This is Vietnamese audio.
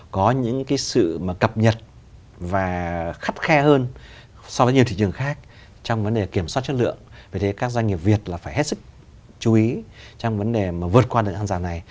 có những sự cập nhật và khắt khe hơn so với nhiều thị trường khác trong vấn đề kiểm soát chất lượng vì thế các doanh nghiệp việt là phải hết sức chú ý trong vấn đề mà vượt qua được hàng giả này